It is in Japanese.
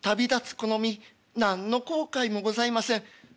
この身何の後悔もございません。